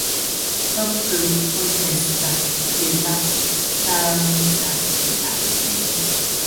Loppuko Uffesta virta?", naurahti Nancy.